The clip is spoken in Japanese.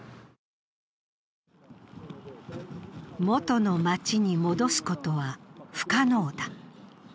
元の町に戻すことは不可能だ。